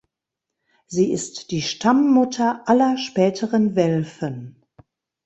Sie ist die Stammmutter aller späteren Welfen.